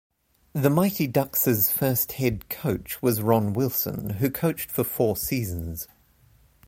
The Mighty Ducks's first head coach was Ron Wilson, who coached for four seasons.